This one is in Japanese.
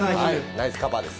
ナイスカバーです。